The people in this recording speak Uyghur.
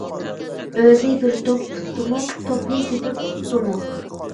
ئۆزى بىر توپ، پۇتتىمۇ، توپنى تېپىپ ئۇتتىمۇ.